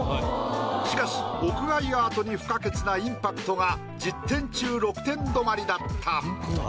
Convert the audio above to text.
しかし屋外アートに不可欠なインパクトが１０点中６点止まりだった。